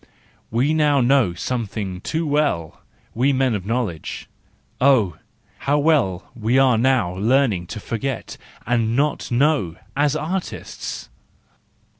We now know something too well, we men of knowledge: oh, how well we are now learning to forget and not know, as artists!